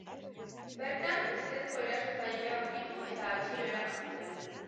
Bertan ustezko erasotzailea aurkitu eta atxilo eraman zuten.